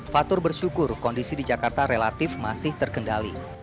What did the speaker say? fatur bersyukur kondisi di jakarta relatif masih terkendali